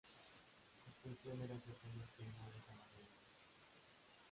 Su función era sostener peinados elaborados.